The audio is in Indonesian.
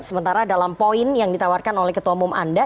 sementara dalam poin yang ditawarkan oleh ketua umum anda